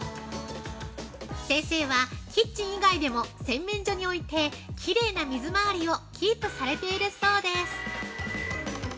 先生は、キッチン以外でも洗面所に置いて、きれいな水回りをキープされているそうです。